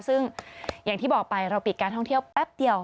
ซึ่งอย่างที่บอกไปเราปิดการท่องเที่ยวแป๊บเดียว